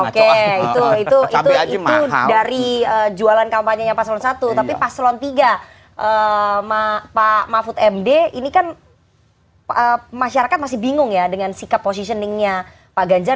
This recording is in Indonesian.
oke itu dari jualan kampanye nya paslon satu tapi paslon tiga pak mahfud md ini kan masyarakat masih bingung ya dengan sikap positioningnya pak ganjar dan pak jokowi